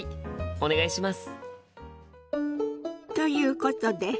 お願いします。